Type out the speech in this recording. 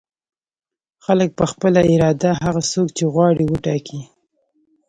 خلک په خپله اراده هغه څوک چې غواړي وټاکي.